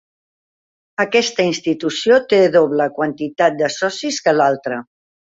Aquesta institució té doble quantitat de socis que l'altra.